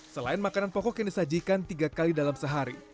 selain makanan pokok yang disajikan tiga kali dalam sehari